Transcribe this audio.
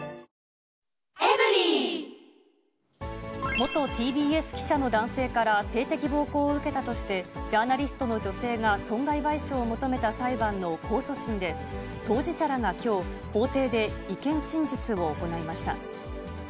元ＴＢＳ記者の男性から性的暴行を受けたとして、ジャーナリストの女性が損害賠償を求めた裁判の控訴審で、当事者らがきょう、法廷で意見陳述を行いました。